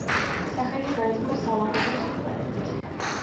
სახელი გაითქვა სალაღობო სიმღერებით.